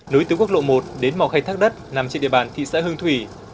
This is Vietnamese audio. nối tướng quốc lộ một đến mò khay thác đất nằm trên địa bàn thị xã hưng thủy